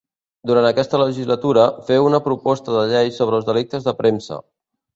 Durant aquesta legislatura, feu una proposta de llei sobre els delictes de premsa.